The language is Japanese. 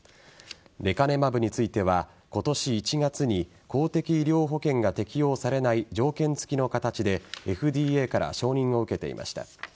レカネマブについては今年１月に公的医療保険が適用されない条件付きの形でＦＤＡから承認を受けていました。